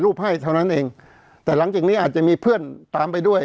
ให้เท่านั้นเองแต่หลังจากนี้อาจจะมีเพื่อนตามไปด้วย